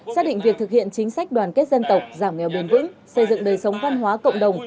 xác định việc thực hiện chính sách đoàn kết dân tộc giảm nghèo bền vững xây dựng đời sống văn hóa cộng đồng